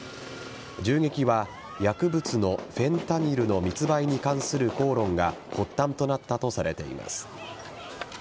銃撃は薬物のフェンタニルの密売に関する口論が発端となったとされています。